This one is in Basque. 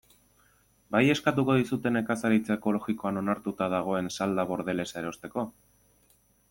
Bai eskatuko dizute nekazaritza ekologikoan onartuta dagoen salda bordelesa erosteko?